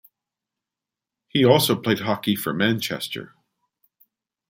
He also played hockey for Manchester.